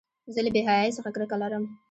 زه له بېحیایۍ څخه کرکه لرم.